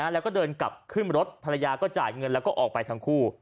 แล้วก็เดินกลับขึ้นรถภรรยาก็จ่ายเงินแล้วก็ออกไปทั้งคู่